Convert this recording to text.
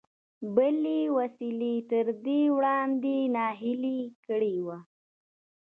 بلې وسيلې تر دې وړاندې ناهيلی کړی و.